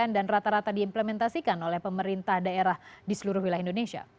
dan rata rata diimplementasikan oleh pemerintah daerah di seluruh wilayah indonesia